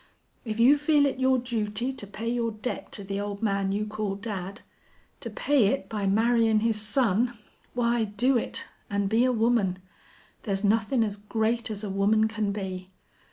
If you feel it your duty to pay your debt to the old man you call dad to pay it by marryin' his son, why do it, an' be a woman. There's nothin' as great as a woman can be.